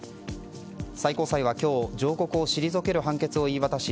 最高裁は今日上告を退ける判決を言い渡し